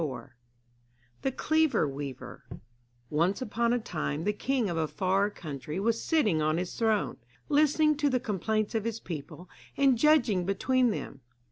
THE CLEVER WEAVER Once upon a time the king of a far country was sitting on his throne, listening to the complaints of his people, and judging between them.